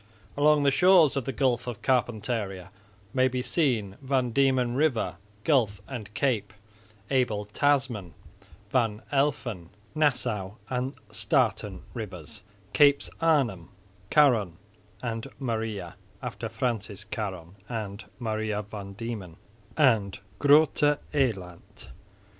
Along the shores of the Gulf of Carpentaria may be seen Van Diemen river, gulf and cape; Abel Tasman, Van Alphen, Nassau and Staten rivers; capes Arnhem, Caron and Maria (after Francis Caron and Maria van Diemen) and Groote Eylandt.